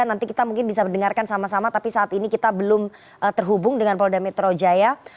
nanti kita mungkin bisa mendengarkan sama sama tapi saat ini kita belum terhubung dengan polda metro jaya